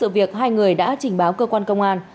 việc hai người đã trình báo cơ quan công an